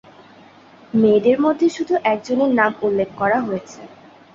মেয়েদের মধ্যে শুধু একজনের নাম উল্লেখ করা হয়েছে।